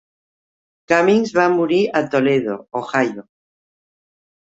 Cummings va morir a Toledo (Ohio).